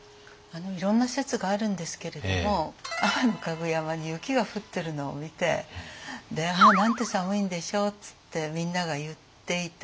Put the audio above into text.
いろんな説があるんですけれども天香具山に雪が降ってるのを見て「ああなんて寒いんでしょう」っつってみんなが言っていた。